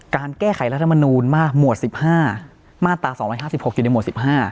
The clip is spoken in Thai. การแก้ไขรัฐธรรมนูญมาตร๒๕๖อยู่ในหมวด๑๕